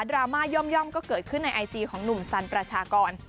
ราม่าย่อมก็เกิดขึ้นในไอจีของหนุ่มสันประชากร